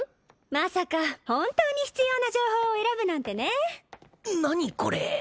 まさか本当に必要な情報を選ぶなんてね何これ？